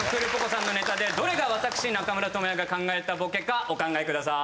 さんのネタでどれが私中村倫也が考えたボケかお考えください。